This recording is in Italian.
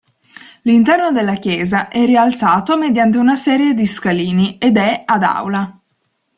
L'interno della chiesa è rialzato mediante una serie di scalini ed è ad aula.